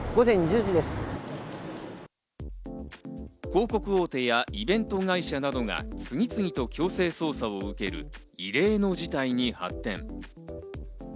広告大手やイベント会社などが次々と強制捜査を受ける異例の事態に発展。